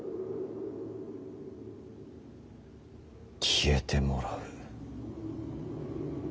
消えてもらうか。